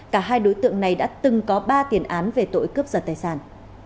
cả hai đối tượng này đã từng có ba tiền án về tội cướp giật tài sản